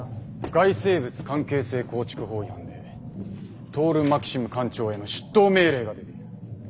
外生物関係性構築法違反でトオル・マキシム艦長への出頭命令が出ている。